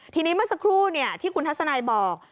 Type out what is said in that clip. ทีนี้เมื่อสักครู่ที่คุณทัศนายบอก